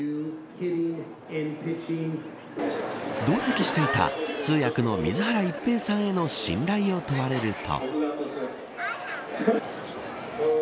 同席していた通訳の水原一平さんへの信頼を問われると。